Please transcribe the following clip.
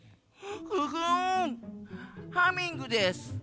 ハミングです。